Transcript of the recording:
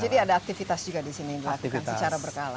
jadi ada aktivitas juga di sini dilakukan secara berkala